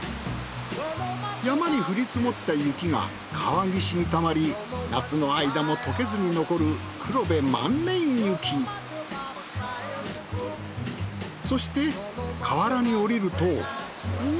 山に降り積もった雪が川岸にたまり夏の間も溶けずに残るそして河原に下りると。